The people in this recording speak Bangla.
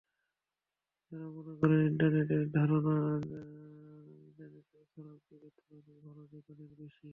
তারা মনে করেন, ইন্টারনেটের খারাপ দিকের তুলনায় ভালো দিক অনেক বেশি।